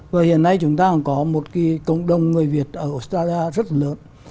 và hiện nay chúng ta còn có một cái cộng đồng người việt ở australia rất là lớn